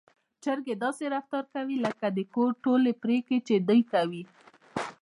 چرګې داسې رفتار کوي لکه د کور ټولې پرېکړې چې دوی کوي.